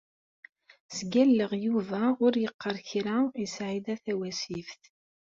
Sgalleɣ Yuba ur yeqqar kra i Saɛida Tawasift.